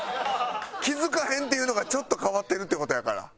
気付かへんっていうのがちょっと変わってるっていう事やから。